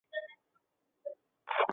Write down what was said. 三泽上町车站的铁路车站。